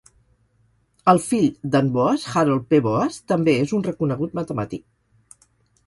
El fill d'en Boas, Harold P. Boas, també és un reconegut matemàtic.